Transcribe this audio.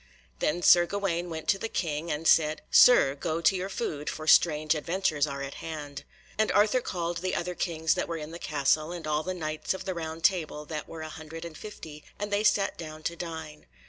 Then Sir Gawaine went to the King and said, "Sir, go to your food, for strange adventures are at hand." And Arthur called the other Kings that were in the castle, and all the Knights of the Round Table that were a hundred and fifty, and they sat down to dine.